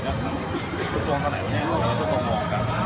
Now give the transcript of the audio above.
แล้วก็เป็นเนี้ยต่างงั้นงั้นแน่